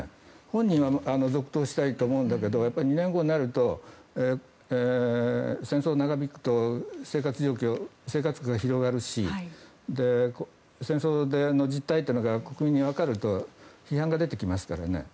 本人は続投したいと思うんだけどやっぱり２年後になると戦争が長引くと生活状況、生活苦が広がるし戦争の実態というのが国民にわかると批判が出てきますからね。